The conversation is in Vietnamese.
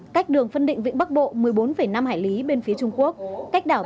cách đường phân định vị trí của tàu cá nra chín mươi năm nghìn tám trăm chín mươi chín ts